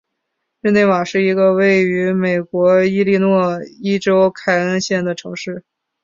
日内瓦是一个位于美国伊利诺伊州凯恩县的城市。